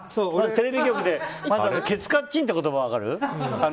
テレビ局でケツカッチンって言葉分かる？